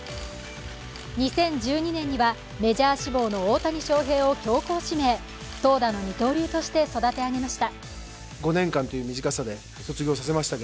２０１２年にはメジャー志望の大谷翔平を強行指名、投打の二刀流として育て上げました。